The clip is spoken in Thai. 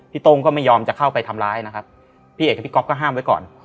โต้งก็ไม่ยอมจะเข้าไปทำร้ายนะครับพี่เอกกับพี่ก๊อฟก็ห้ามไว้ก่อน